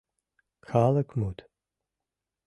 Калык мут.